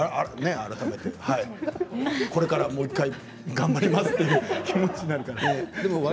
改めてこれからもう一回、頑張りますという気持ちがあるから。